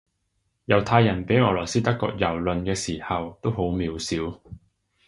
猶太人畀俄羅斯德國蹂躪嘅時候都好渺小